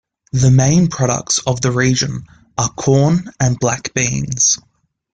The main products of the region are corn and black beans.